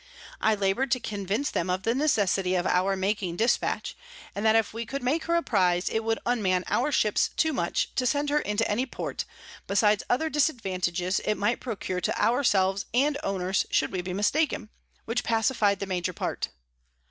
I labour'd to convince them of the necessity of our making Dispatch, and that if we could make her a Prize, it would unman our Ships too much to send her into any Port, besides other Disadvantages it might procure to our selves and Owners should we be mistaken; which pacify'd the major part.